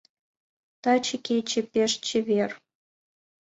Таче кече пеш чевер